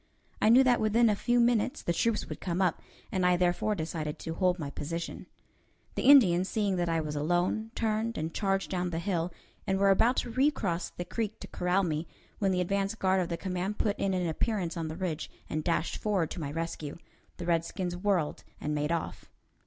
I knew that within a few minutes the troops would come up, and I therefore decided to hold my position. The Indians, seeing that I was alone, turned, and charged down the hill, and were about to recross the creek to corral me, when the advance guard of the command put in an appearance on the ridge, and dashed forward to my rescue. The redskins whirled and made off.